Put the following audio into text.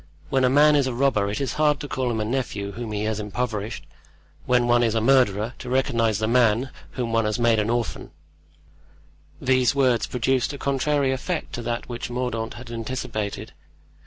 When a man is a robber it is hard to call him nephew whom he has impoverished; when one is a murderer, to recognize the man whom one has made an orphan." These words produced a contrary effect to that which Mordaunt had anticipated.